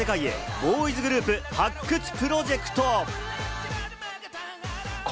ボーイズグループ発掘プロジェクト。